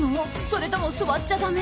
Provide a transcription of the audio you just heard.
それとも座っちゃダメ？